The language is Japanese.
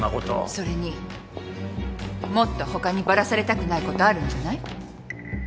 それにもっと他にバラされたくないことあるんじゃない？